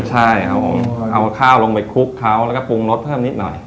ใช่ครับผมเอาข้าวลงไปคลุกเขาแล้วก็ปรุงรสเพิ่มนิดหน่อย